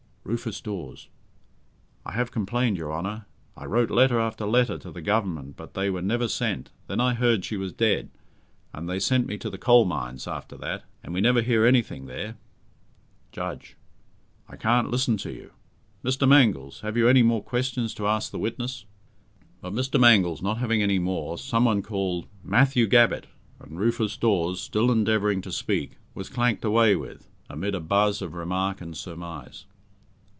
RUFUS DAWES I have complained, your Honour. I wrote letter after letter to the Government, but they were never sent. Then I heard she was dead, and they sent me to the Coal Mines after that, and we never hear anything there. JUDGE I can't listen to you. Mr. Mangles, have you any more questions to ask the witness? But Mr. Mangles not having any more, someone called, "Matthew Gabbett," and Rufus Dawes, still endeavouring to speak, was clanked away with, amid a buzz of remark and surmise.